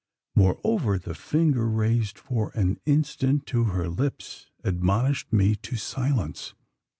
Moreover, the finger, raised for an instant to her lips, admonished me to silence.